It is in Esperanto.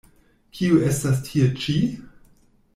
Kiu estas tie ĉi?